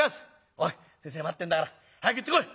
おい先生待ってんだから早く行ってこい」。